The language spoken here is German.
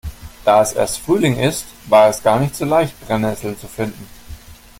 Da es erst Frühling ist, war es gar nicht so leicht, Brennesseln zu finden.